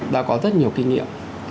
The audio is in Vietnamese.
đã có rất nhiều kinh nghiệm